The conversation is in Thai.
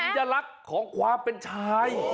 ศัลย์นิยลักษณ์ของความเป็นชาย